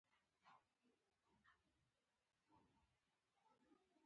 ټولو ته یې د بای بای په دود لاس وښوراوه.